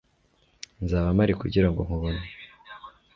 nzaba mpari kugirango nkubone